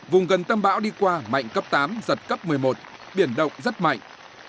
vùng gần tâm bão đi qua mạnh cấp tám giật cấp một mươi một biển động rất mạnh